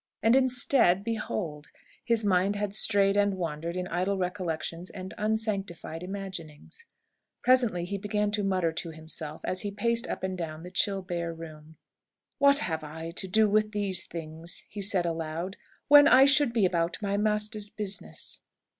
And instead, behold! his mind had strayed and wandered in idle recollections and unsanctified imaginings. Presently he began to mutter to himself, as he paced up and down the chill bare room. "What have I to do with these things," he said aloud, "when I should be about my Master's business?